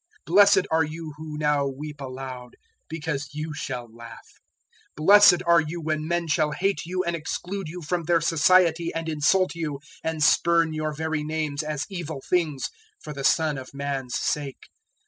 "Blessed are you who now weep aloud, because you shall laugh. 006:022 "Blessed are you when men shall hate you and exclude you from their society and insult you, and spurn your very names as evil things, for the Son of Man's sake.